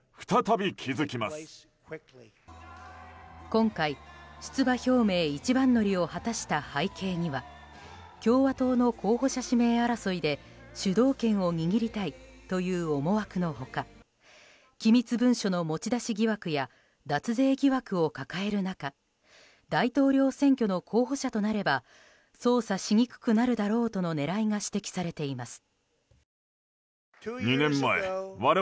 今回、出馬表明一番乗りを果たした背景には共和党の候補者指名争いで主導権を握りたいという思惑の他機密文書の持ち出し疑惑や脱税疑惑を抱える中大統領選挙の候補者となれば捜査しにくくなるだろうとの狙いが指摘されています。